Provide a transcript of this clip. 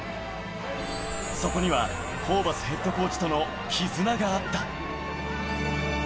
そこには、ホーバスヘッドコーチとの絆があった。